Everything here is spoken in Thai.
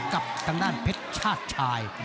กับทางด้านเพชรชาติชาย